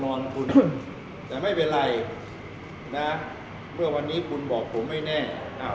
ของคุณแต่ไม่เป็นไรนะเมื่อวันนี้คุณบอกผมไม่แน่อ่า